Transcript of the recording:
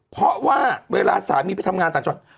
เพราะว่าเวลาสามีไปทำงานต่างจังหวัด